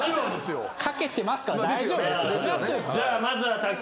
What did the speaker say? じゃあまずは。